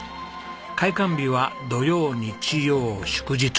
開館日は土曜日曜祝日。